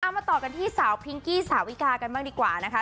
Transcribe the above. มาต่อกันที่สาวพิงกี้สาวิกากันบ้างดีกว่านะคะ